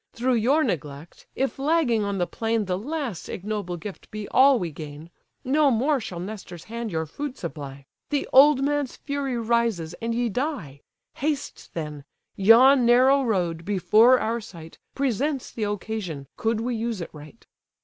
Through your neglect, if lagging on the plain The last ignoble gift be all we gain, No more shall Nestor's hand your food supply, The old man's fury rises, and ye die. Haste then: yon narrow road, before our sight, Presents the occasion, could we use it right."